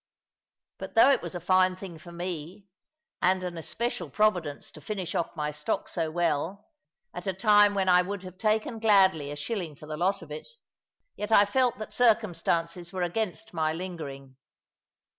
But though it was a fine thing for me, and an especial Providence, to finish off my stock so well, at a time when I would have taken gladly a shilling for the lot of it, yet I felt that circumstances were against my lingering.